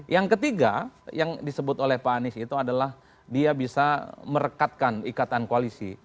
yang ketiga yang disebut oleh pak anies itu adalah dia bisa merekatkan ikatan koalisi